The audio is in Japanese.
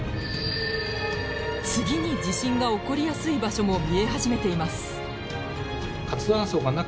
次に地震が起こりやすい場所も見え始めています。